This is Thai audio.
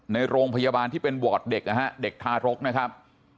ในโรงพยาบาลที่เป็นวอร์ดเด็กนะฮะเด็กทารกนะครับ